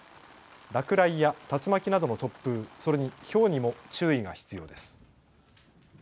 落雷や竜巻などの突風、それにひょうにも注意が必要です。